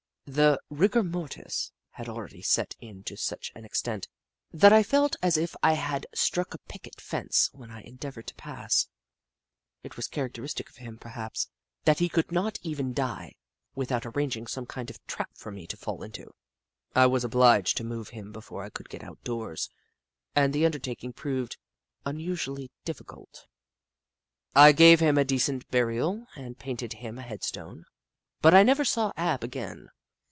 The rigor mortis had already set in to such an extent that I felt as if I had struck a picket fence when I endeavoured to pass. It was characteristic of him, perhaps, that he could not even die without arranging some kind of a trap for me to fall into. I was obliged to move him before I could get outdoors, and the undertaking proved unusually difficult. I gave him a decent burial, and painted him a headstone, but I never saw Ab again.